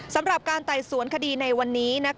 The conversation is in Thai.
สำหรับการไต่สวนคดีในวันนี้